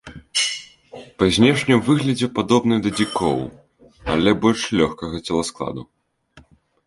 Па знешнім выглядзе падобны да дзікоў, але больш лёгкага целаскладу.